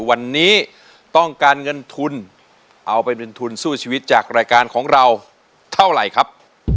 วันนี้ต้องการเงินทุนเอาไปเป็นทุนสู้ชีวิตจากรายการของเราเท่าไหร่ครับ